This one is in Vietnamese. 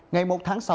ngày một tháng sáu